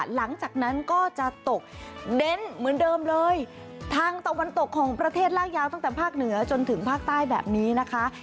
หลังจากนั้นก็จะตกเน้นเหมือนเดิมเลยทางตะวันตกของประเทศลากยาวตั้งแต่ภาคเหนือจนถึงภาคใต้แบบนี้นะคะ